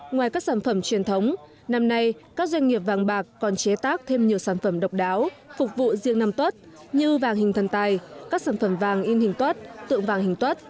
ngoài các sản phẩm truyền thống năm nay các doanh nghiệp vàng bạc còn chế tác thêm nhiều sản phẩm độc đáo phục vụ riêng năm tuất như vàng hình thần tài các sản phẩm vàng in hình tuất tượng vàng hình tuất